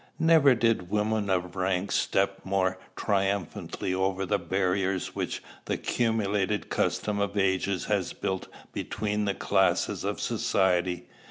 Never did woman of rank step more triumphantly over the barriers which the cumulated custom of ages has built between the classes of society.